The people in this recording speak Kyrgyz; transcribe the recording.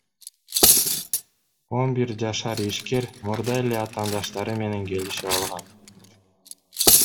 Он бир жашар ишкер мурда эле атаандаштары менен келишип алган.